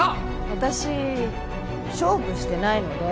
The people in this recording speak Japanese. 私勝負してないので。